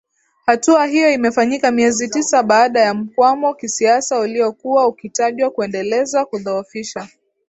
hatua hiyo imefanyika miezi tisa baada ya mkwamo kisiasa uliokuwa ukitajwa kuendeleza kudhoofisha